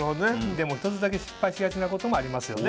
でも１つだけ失敗しがちなこともありますよね。